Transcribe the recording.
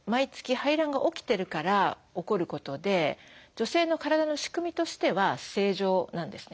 排卵が起きてるから起こることで女性の体の仕組みとしては正常なんですね。